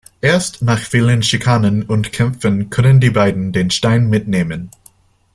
Erst nach vielen Schikanen und Kämpfen können die Beiden den Stein mitnehmen.